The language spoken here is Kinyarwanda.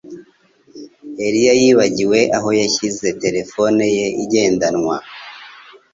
Eliya yibagiwe aho yashyize terefone ye igendanwa.